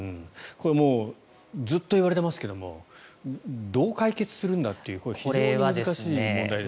これずっと言われていますがどう解決するんだというこれは非常に難しい問題ですが。